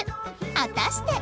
果たして？